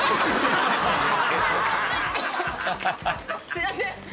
すいません。